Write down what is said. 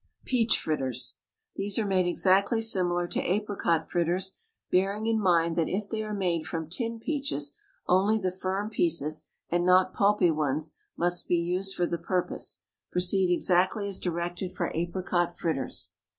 PEACH FRITTERS. These are made exactly similar to apricot fritters, bearing in mind that if they are made from tinned peaches only the firm pieces, and not pulpy ones, must be used for the purpose. Proceed exactly as directed for apricot fritters.